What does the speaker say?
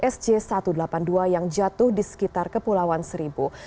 sj satu ratus delapan puluh dua yang jatuh di sekitar kepulauan seribu